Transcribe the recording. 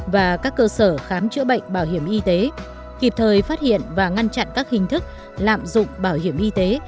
và các cơ sở khám chữa bệnh bảo hiểm y tế kịp thời phát hiện và ngăn chặn các hình thức lạm dụng bảo hiểm y tế